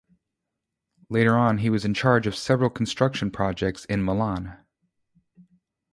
Later on, he was in charge of several construction projects in Milan.